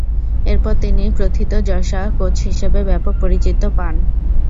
এরপর তিনি প্রথিতযশা কোচ হিসেবে ব্যাপক পরিচিতি পান।